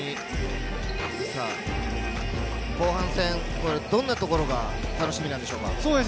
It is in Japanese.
後半戦、どんなところが楽しみなんでしょうか。